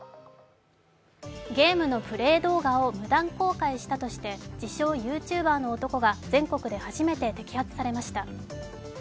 ゲームのプレー動画を無断公開したとして自称ＹｏｕＴｕｂｅｒの男が全国で初めて摘発されました。